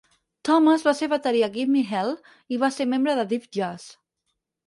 Thomas va ser bateria a "Gimme Hell" i va ser membre de Dif Juz.